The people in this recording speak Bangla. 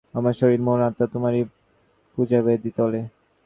আমার শরীর, মন, আত্মা তোমারই পূজাবেদীতলে।